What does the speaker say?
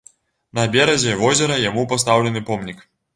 На беразе возера яму пастаўлены помнік.